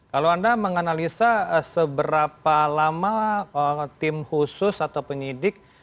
kalau anda menganalisa seberapa lama tim khusus atau penyidik